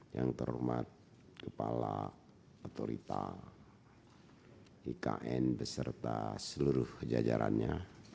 yang terhormat kepala otorita ikn beserta seluruh jajarannya